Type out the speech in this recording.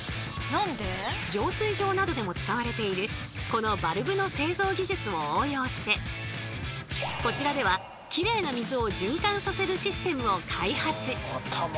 浄水場などでも使われているこのバルブの製造技術を応用してこちらではきれいな水を循環させるシステムを開発。